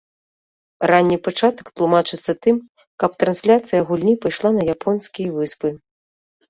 Ранні пачатак тлумачыцца тым, каб трансляцыя гульні пайшла на японскія выспы.